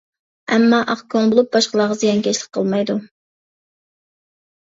ئەمما ئاق كۆڭۈل بولۇپ، باشقىلارغا زىيانكەشلىك قىلمايدۇ.